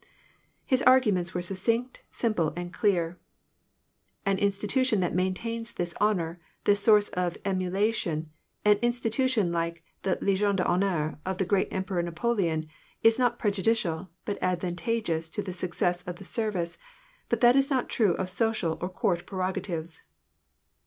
His arguments were succinct, simple, and clear. " An institution that maintains this honor, this source of emulation, an institution like the Legion d^Honneur, of the great Emperor Napoleon, is not prejudicial, but advantageous to the success of the service, but that is not true of social or court prerogatives."